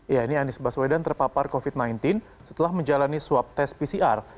ya ini anies baswedan terpapar covid sembilan belas setelah menjalani swab tes pcr